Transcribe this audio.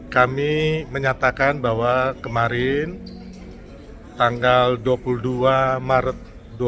kami menyatakan bahwa kemarin tanggal dua puluh dua maret dua ribu dua puluh